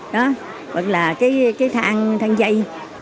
hoặc là cái than dây